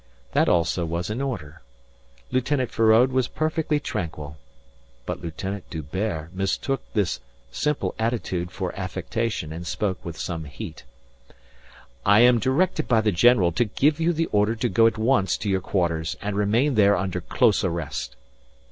That also was in order. Lieutenant Feraud was perfectly tranquil. But Lieutenant D'Hubert mistook this simple attitude for affectation and spoke with some heat. "I am directed by the general to give you the order to go at once to your quarters and remain there under close arrest."